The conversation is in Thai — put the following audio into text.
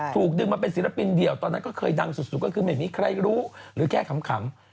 ถูกดึงมาเป็นศิลปินเดี่ยวตอนนั้นก็เคยดังสุดก็คือไม่มีใครรู้หรือแค่ขำ